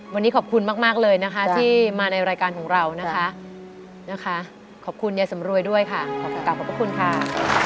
วันนี้ขอบคุณมากเลยนะคะที่มาในรายการของเรานะคะขอบคุณยายสำรวยด้วยค่ะกลับขอบพระคุณค่ะ